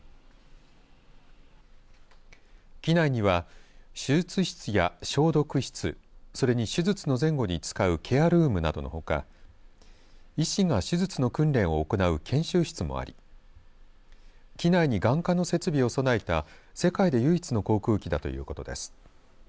機内には手術室や消毒室それに手術の前後に使うケアルームなどのほか医師が手術の訓練を行う研修室もあり機内に眼科の設備を備えた世界で唯一の航空機だということです。